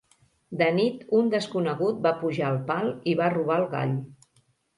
De nit un desconegut va pujar al pal i va robar el gall.